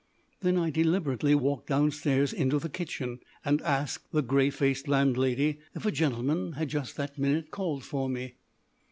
Then I deliberately walked downstairs into the kitchen, and asked the grey faced landlady if a gentleman had just that minute called for me.